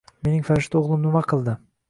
— Mening farishta o'g'lim nima qildi?